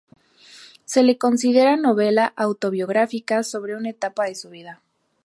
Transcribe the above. Se la considera novela autobiográfica sobre una etapa de su vida.